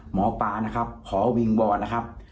หมอปลานะครับขอวิงวอนนะครับ